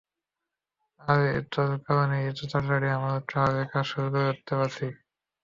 আরে তোর কারনেই তো এত তাড়াতাড়ি আমরা টাওয়ারের কাজ শুরু করতে পারছি।